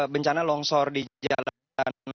bencana longsor di jalan